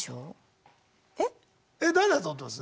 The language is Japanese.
え誰だと思ってます？